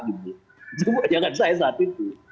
itu wayangan saya saat itu